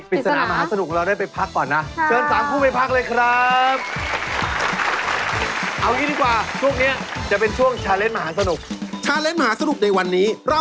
ติดสนามหาสนุกเราได้ไปพักก่อนนะ